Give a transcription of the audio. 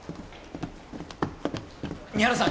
三原さん